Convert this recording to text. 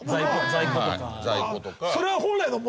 在庫とか。